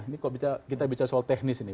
ini kalau kita bicara soal teknis ini